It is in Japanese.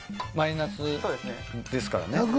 マイナスですからね。